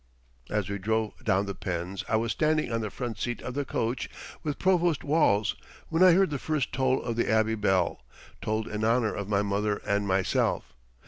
] As we drove down the Pends I was standing on the front seat of the coach with Provost Walls, when I heard the first toll of the Abbey bell, tolled in honor of my mother and myself.